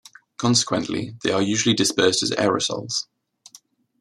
Consequently, they are usually dispersed as aerosols.